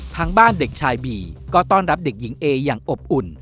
ทางบ้านเด็กชายบีก็ต้อนรับเด็กหญิงเออย่างอบอุ่น